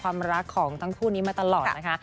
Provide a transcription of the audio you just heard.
ความรักของทั้งคู่นี้มาตลอดนะคะ